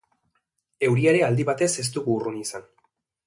Euria ere aldi batez ez dugu urrun izan.